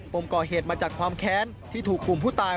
มก่อเหตุมาจากความแค้นที่ถูกกลุ่มผู้ตาย